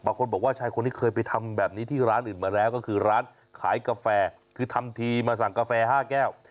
คนบอกว่าชายคนนี้เคยไปทำแบบนี้ที่ร้านอื่นมาแล้วก็คือร้านขายกาแฟคือทำทีมาสั่งกาแฟ๕แก้ว